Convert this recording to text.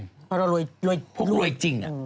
เพราะเรารวยพวกรวยจริง